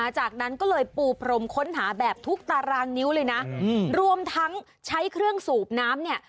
จากนั้นก็เลยปูพรมค้นหาแบบทุกตารางนิ้วเลยนะรวมทั้งใช้เครื่องสูบน้ำเนี่ย